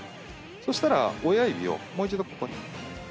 そしたら親指をもう一度ここに。